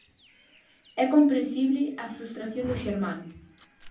É comprensible a frustración do xermano.